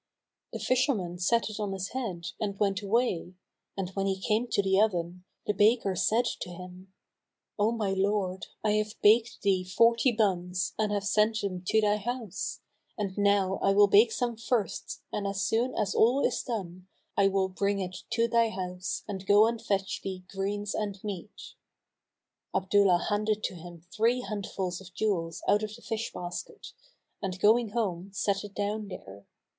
The fisherman set it on his head and went away; and, when he came to the oven, the baker said to him, "O my lord, I have baked thee forty bunns[FN#247] and have sent them to thy house; and now I will bake some firsts and as soon as all is done, I will bring it to thy house and go and fetch thee greens and meat." Abdullah handed to him three handfuls of jewels out of the fish basket and going home, set it down there.